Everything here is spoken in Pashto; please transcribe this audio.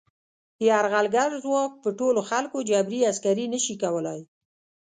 یرغلګر ځواک په ټولو خلکو جبري عسکري نه شي کولای.